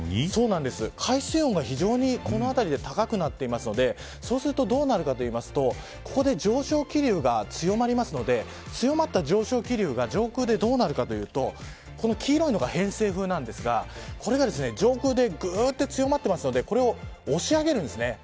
海水温が非常にこの辺りで高くなっていますのでどうなるかといいますと上昇気流が強まりますので強まった上昇気流が上昇でどうなるかというとこの黄色いのが偏西風なんですが上空で、ぐっと強まりますのでこれを押し上げるんです。